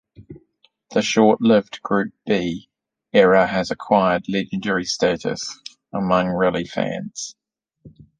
The short-lived Group B era has acquired legendary status among rally fans.